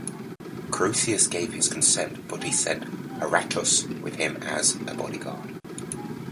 Croesus gave his consent, but he sent Adrastus with him as a body guard.